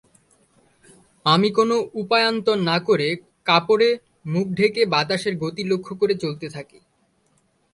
আমি কোন উপায়ান্তর না করে কাপড়ে মুখ ঢেকে বাতাসের গতি লক্ষ্য করে চলতে থাকি।